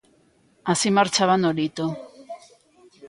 Así marchaba Nolito.